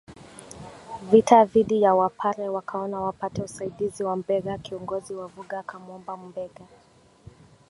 vita dhidi ya Wapare wakaona wapate usaidizi wa Mbegha Kiongozi wa Vuga akamwomba Mbegha